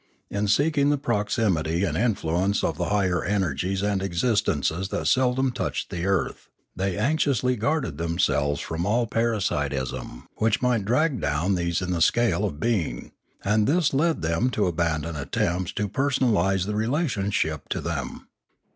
In seeking the proximity and influence of the higher en ergies and existences that seldom touched the earth, they anxiously guarded themselves from all parasitism which might drag these down in the scale of being; and this led them to abaudon attempts to personalise the relationship to them.